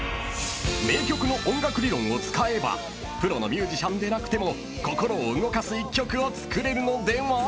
［名曲の音楽理論を使えばプロのミュージシャンでなくても心を動かす１曲を作れるのでは］